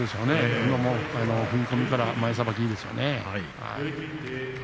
今も踏み込みから前さばきがいいですね。